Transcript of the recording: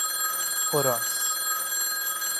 Orós